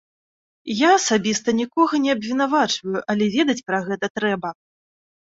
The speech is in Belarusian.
Я асабіста нікога не абвінавачваю, але ведаць пра гэта трэба.